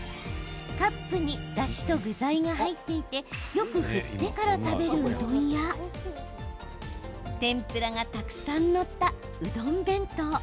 カップにだしと具材が入っていてよく振ってから食べるうどんや天ぷらがたくさん載ったうどん弁当。